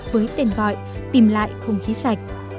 với tên gọi tìm lại không khí sạch